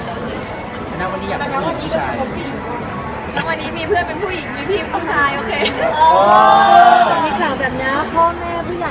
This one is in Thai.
เป็นอะไรอย่างเงี้ยค่ะเดี๋ยวสุดท้ายเราไม่อยากต้องปลูกพี่พูดว่า